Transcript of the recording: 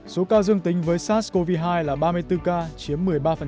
số ca dương tính với sars cov hai là ba mươi bốn ca chiếm một mươi ba